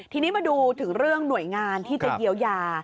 ทีนี้มาดูถึงเรื่องหน่วยงานที่จะเยียวยา